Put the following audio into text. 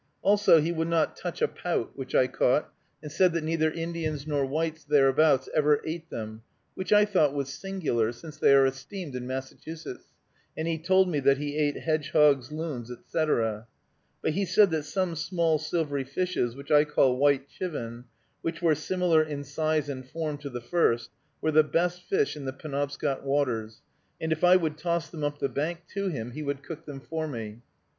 Also, he would not touch a pout, which I caught, and said that neither Indians nor whites thereabouts ever ate them, which I thought was singular, since they are esteemed in Massachusetts, and he had told me that he ate hedgehogs, loons, etc. But he said that some small silvery fishes, which I called white chivin, which were similar in size and form to the first, were the best fish in the Penobscot waters, and if I would toss them up the bank to him, he would cook them for me.